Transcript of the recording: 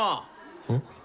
うん？